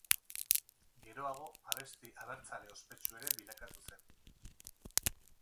Gerora abesti abertzale ospetsu ere bilakatu zen.